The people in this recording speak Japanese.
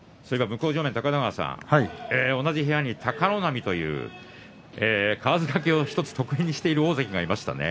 向正面の高田川さん、同じ部屋に貴ノ浪というかわず掛けを１つ得意にしている大関がいましたね。